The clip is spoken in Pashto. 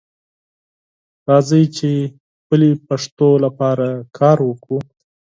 راځئ چې خپلې پښتو لپاره کار وکړو